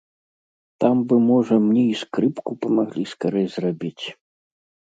Там бы, можа, мне і скрыпку памаглі скарэй зрабіць.